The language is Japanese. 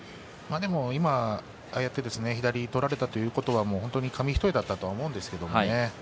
ああやって左を取られたということは紙一重だったと思うんですよね。